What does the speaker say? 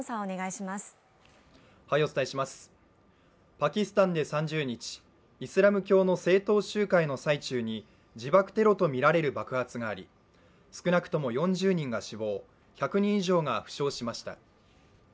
パキスタンで３０日、イスラム教の政党集会の最中に自爆テロとみられる爆発があり少なくとも４０人が死亡１００人以上が負傷しました。